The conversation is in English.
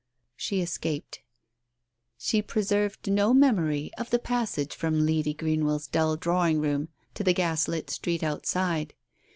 She escaped. She preserved no memory of the pas sage from Lady Greenwell's dull drawing room to the gas lit street outside.